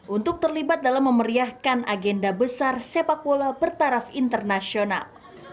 untuk terlibat dalam memeriahkan agenda besar sepak bola bertaraf internasional